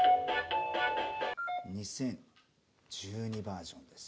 ２０１２バージョンです。